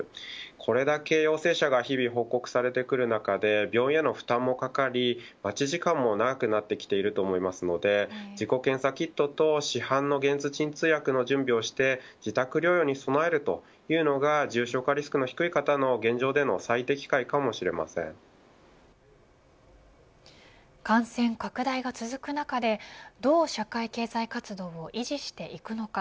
これだけ陽性者が日々報告されてくる中で病院への負担もかかり待ち時間も長くなってきていると思いますので自己検査キットと市販の解熱鎮痛薬の準備をして自宅療養に備えるというのが重症化リスクの低い方の現状での感染拡大が続く中でどう社会経済活動を維持していくのか。